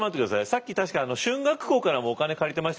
さっき確か春嶽公からもお金借りてましたよね？